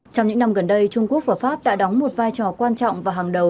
trong những năm gần đây trung quốc và pháp đã đóng một vai trò quan trọng và hàng đầu